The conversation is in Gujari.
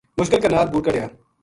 مشکل کے نال بوٹ کڈھیا